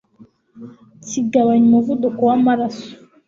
kigabanya umuvuduko w'amaraso